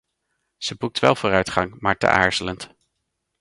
Ze boekt wel vooruitgang, maar te aarzelend.